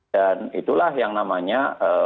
dan itulah yang namanya